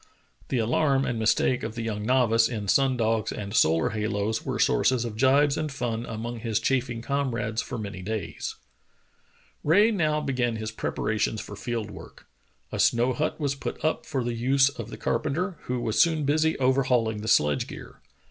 " The alarm and mistake of the young novice in sun dogs and solar halos were sources of gibes and fun among his chaffing comrades for many days. Rae now began his preparations for field work. A snow hut was put up for the use of the carpenter, who was soon busy overhauling the sledge gear.